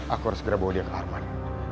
aku harus segera bawa dia ke arman